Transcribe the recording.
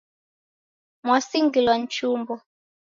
Kwasingilwa ni chumbo